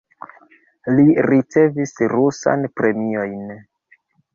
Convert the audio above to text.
Li ricevis rusan premiojn.